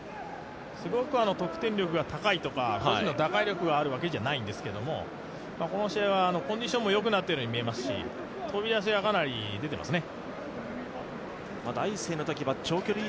すごく得点力が高いとか打開力があるわけじゃないですけどコンディションがよくなっているところもありますし、飛び出しはかなり出ていますね。